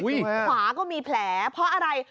ขวาก็มีแผลเพราะอะไร